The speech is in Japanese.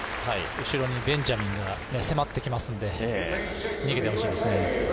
後ろにベンジャミンが迫ってきますので逃げてほしいですね。